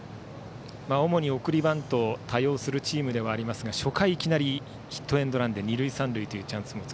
主に送りバントを多用するチームではありますが初回いきなりヒットエンドランで二塁三塁というチャンス。